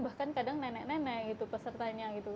bahkan kadang nenek nenek gitu pesertanya gitu